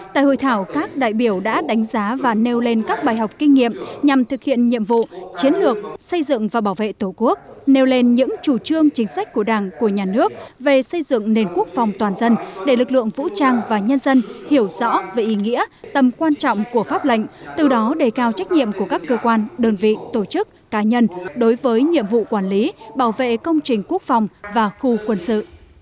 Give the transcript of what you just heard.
tại hội thảo các đại biểu đã đánh giá và nêu lên các bài học kinh nghiệm nhằm thực hiện nhiệm vụ chiến lược xây dựng và bảo vệ tổ quốc nêu lên những chủ trương chính sách của đảng của nhà nước về xây dựng nền quốc phòng toàn dân để lực lượng vũ trang và nhân dân hiểu rõ về ý nghĩa tầm quan trọng của pháp lệnh từ đó đề cao trách nhiệm của các cơ quan đơn vị tổ chức cá nhân đối với nhiệm vụ quản lý bảo vệ công trình quốc phòng và khu quân sự